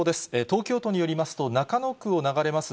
東京都によりますと、中野区を流れます